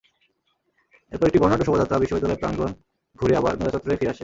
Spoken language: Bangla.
এরপর একটি বর্ণাঢ্য শোভাযাত্রা বিশ্ববিদ্যালয় প্রাঙ্গণ ঘুরে আবার মেলা চত্বরে ফিরে আসে।